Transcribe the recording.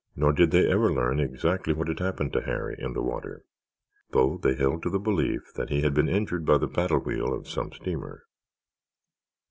Nor did they ever learn exactly what had happened to Harry while in the water, though they held to the belief that he had been injured by the paddlewheel of some steamer.